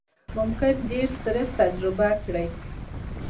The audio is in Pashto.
ممکن ډېر سټرس تجربه کړئ،